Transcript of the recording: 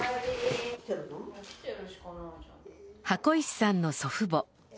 箱石さんの祖父母。